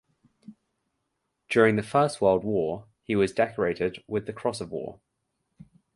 During the First World War he was decorated with the Cross of War.